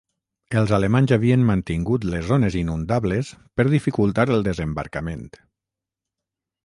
Els alemanys havien mantingut les zones inundables per dificultar el desembarcament.